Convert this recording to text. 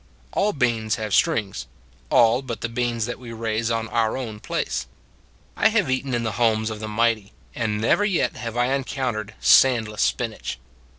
All beans have strings all but the beans that we raise on our own place. I have eaten in the homes of the mighty, and never yet have I encountered sandless spinach.